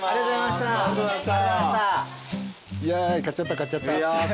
いや買っちゃった買っちゃった。